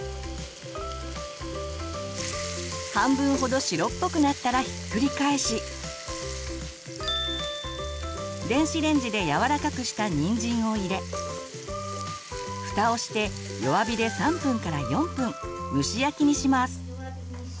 半分ほど白っぽくなったらひっくり返し電子レンジでやわらかくしたにんじんを入れフタをして弱火で３分から４分蒸し焼きにします。